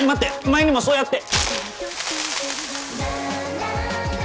前にもそうやって。